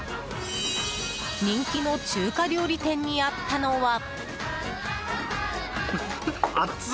人気の中華料理店にあったのは。